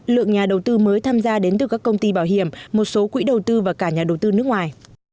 lượng nhà đầu tư mới tham gia đến từ các công ty bảo hiểm một số quỹ đầu tư và cả nhà đầu tư nước ngoài